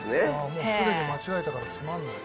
もうすでに間違えたからつまんない。